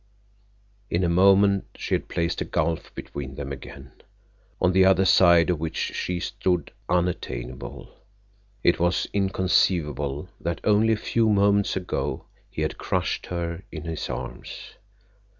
In a moment she had placed a gulf between them again, on the other side of which she stood unattainable. It was inconceivable that only a few moments ago he had crushed her in his arms.